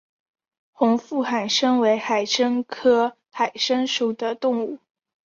红腹海参为海参科海参属的动物。